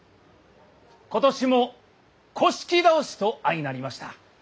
今年も倒しと相成りました。